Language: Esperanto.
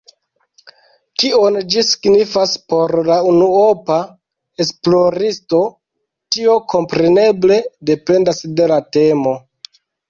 Kion ĝi signifas por la unuopa esploristo, tio kompreneble dependas de la temo.